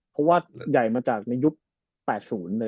เพราะว่าใหญ่มาจากในยุค๘๐เลย